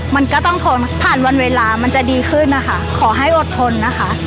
มันก็ต้องทนผ่านวันเวลามันจะดีขึ้นนะคะขอให้อดทนนะคะ